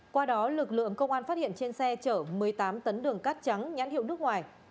qua đó lực lượng công an phát hiện trên xe chở một mươi tám tấn đường cát trắng nhãn hiệu nước ngoài